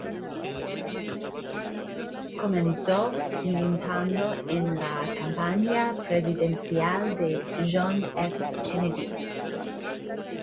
Comenzó militando en la campaña presidencial de John F. Kennedy.